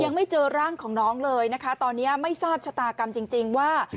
ยังไม่เจอร่างของน้องเลยนะคะตอนนี้ไม่ทราบชะตากรรมจริงว่า